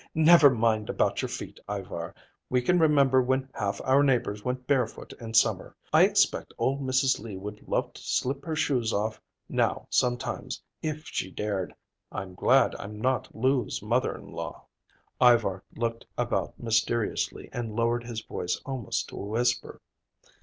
"Oh, never mind about your feet, Ivar. We can remember when half our neighbors went barefoot in summer. I expect old Mrs. Lee would love to slip her shoes off now sometimes, if she dared. I'm glad I'm not Lou's mother in law." Ivar looked about mysteriously and lowered his voice almost to a whisper.